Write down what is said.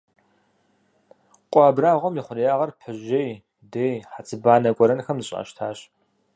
Къуэ абрагъуэм и хъуреягъыр пыжьей, дей, хьэцыбанэ гуэрэнхэм зэщӀащтащ.